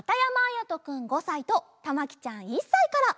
やとくん５さいとたまきちゃん１さいから。